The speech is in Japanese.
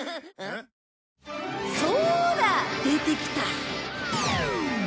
そーら出てきた。